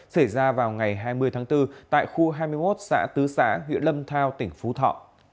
xảy ra vào ngày hai mươi tháng bốn tại khu hai mươi một xã tứ xã huyện lâm thao tỉnh phú thọ